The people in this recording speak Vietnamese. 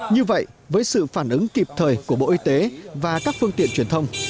như vậy với sự phản ứng kịp thời của bộ y tế và các phương tiện truyền thông